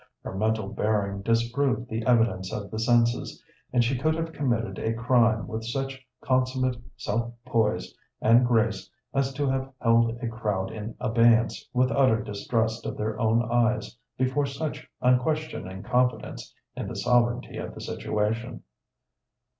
Her mental bearing disproved the evidence of the senses, and she could have committed a crime with such consummate self poise and grace as to have held a crowd in abeyance with utter distrust of their own eyes before such unquestioning confidence in the sovereignty of the situation.